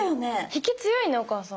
引き強いねお母さん。